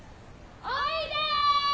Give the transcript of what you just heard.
おいで！